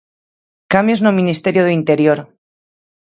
Cambios no Ministerio do Interior.